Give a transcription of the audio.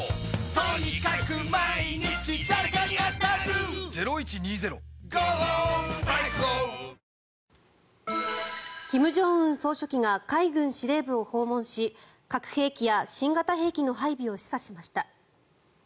お申込みは金正恩総書記が海軍司令部を訪問し核兵器や新型兵器の配備を示唆しました。